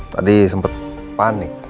tadi sempet panik